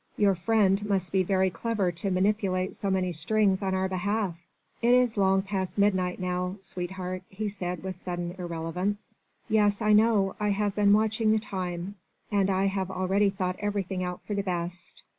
"Your friend must be very clever to manipulate so many strings on our behalf!" "It is long past midnight now, sweetheart," he said with sudden irrelevance. "Yes, I know. I have been watching the time: and I have already thought everything out for the best.